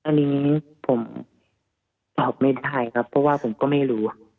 อันนี้ผมตอบไม่ได้ครับเพราะว่าผมก็ไม่รู้